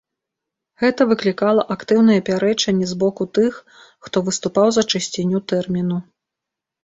Гэта выклікала актыўныя пярэчанні з боку тых, хто выступаў за чысціню тэрміну.